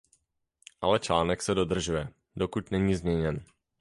Ale článek se dodržuje, dokud není změněn.